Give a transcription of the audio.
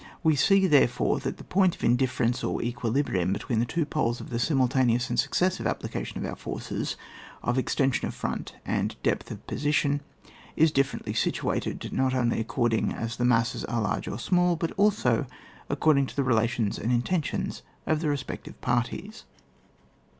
We see, therefore, that the point of indifference (or equilibrium) between the two poles oithesimultaneoua and succes sive application of our forces — of extension of front and d^th of position — is differently situated, not only according as the masses are large or small, but also according to the relations and intentions of the re spective parties.